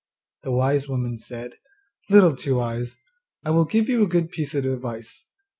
The wise woman said, 'Little Two eyes, I will give you a good piece of advice.